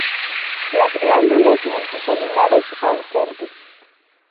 Las glándulas multicelulares ausente.